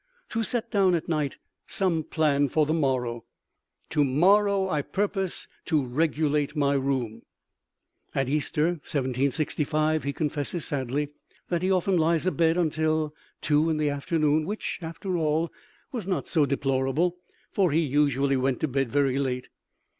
To set down at night some plan for the morrow. To morrow I purpose to regulate my room. At Easter, 1765, he confesses sadly that he often lies abed until two in the afternoon; which, after all, was not so deplorable, for he usually went to bed very late.